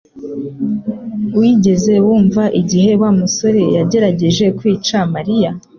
Wigeze wumva igihe Wa musore yagerageje kwica Mariya?